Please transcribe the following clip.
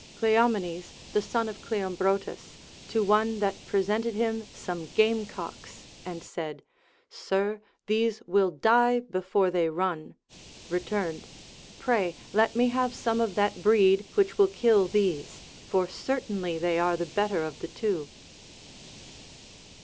Cleomenes, the son of Cleomhrotus, to one that presented him some game cocks, and said. Sir, these Avill die before they run, returned : Pray let me have some of that breed Λvhich will kill these, for certainly they are the better of the two.